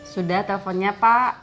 sudah teleponnya pak